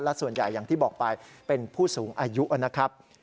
และส่วนใหญ่อย่างที่บอกไปเป็นผู้สูงอายุนะครับ